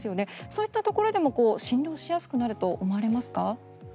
そういったところでも診療しやすくなると思われますか。